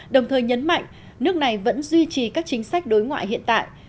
đồng thời nhấn mạnh nước này vẫn duy trì các chính sách đối ngoại hiện tại